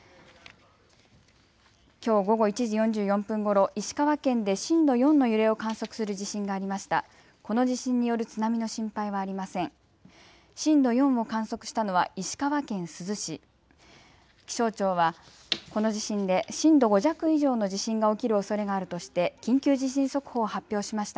きょう午後１時４４分ごろ、石川県で震度４の揺れを観測する地震がありました。